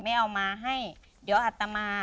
ไม่เอามาให้เดี๋ยวอัตมา